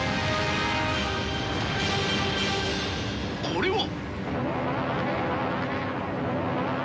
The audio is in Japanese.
これは。